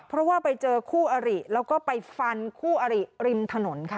เพราะว่าไปเจอคู่อริแล้วก็ไปฟันคู่อริริมถนนค่ะ